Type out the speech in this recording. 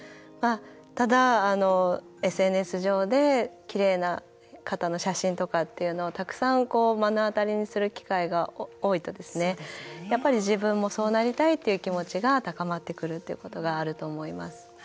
ただ、ＳＮＳ上できれいな方の写真とかっていうのをたくさん目の当たりにする機会が多いと、自分もそうなりたいという気持ちが高まってくるということがあると思います。